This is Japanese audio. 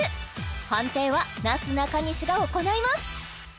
判定はなすなかにしが行います